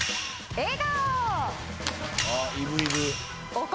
笑顔。